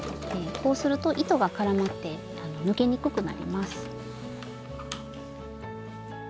こうすると糸が絡まって抜けにくくなります。